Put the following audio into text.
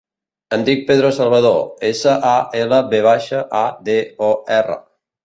Em dic Pedro Salvador: essa, a, ela, ve baixa, a, de, o, erra.